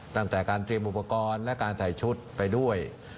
ตั้งแต่การเตรียมอุปกรณ์และการใส่ชุดไปด้วย